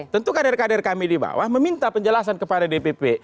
tentu kader kader kami di bawah meminta penjelasan kepada dpp